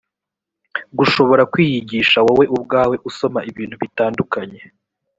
gushobora kwiyigisha wowe ubwawe usoma ibintu bitandukanye